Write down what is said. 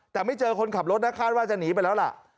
แต่ไม่เจอคนขับรถนะคาดว่าจะหนีไปแล้วล่ะ